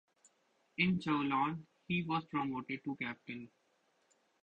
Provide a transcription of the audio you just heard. In Toulon he was promoted to Captain.